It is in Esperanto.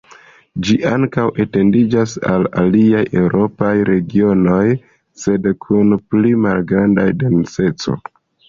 Ĝi ankaŭ etendiĝas al aliaj eŭropaj regionoj, sed kun pli malgranda denseco.